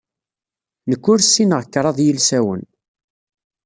Nekk ur ssineɣ kraḍ yilsawen.